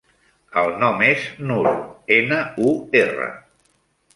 El nom és Nur: ena, u, erra.